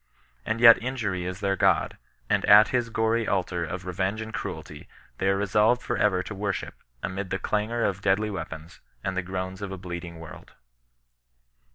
And yet injury is their god, and at his gory altar of revenge and cruelty they are resolved for ever to worship, amid the clangor of deadly weapons, and the groans of a bleeding world.